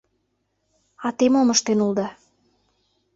А те мом ыштен улыда?